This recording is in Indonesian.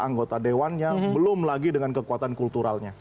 anggota dewannya belum lagi dengan kekuatan kulturalnya